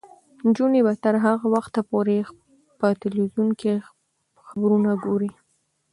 نجونې به تر هغه وخته پورې په تلویزیون کې خبرونه ګوري.